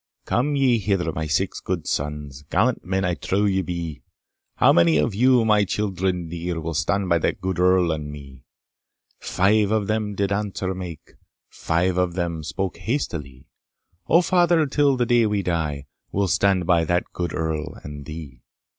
"Come ye hither my 'six' good sons, Gallant men I trow ye be, How many of you, my children dear, Will stand by that good Earl and me?" "Five" of them did answer make "Five" of them spoke hastily, "O father, till the day we die, We'll stand by that good Earl and thee."